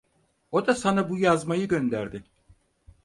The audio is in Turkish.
O da sana bu yazmayı gönderdi.